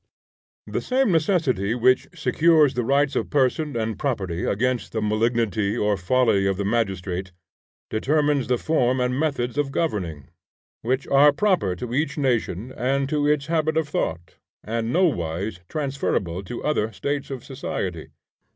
The same necessity which secures the rights of person and property against the malignity or folly of the magistrate, determines the form and methods of governing, which are proper to each nation and to its habit of thought, and nowise transferable to other states of society.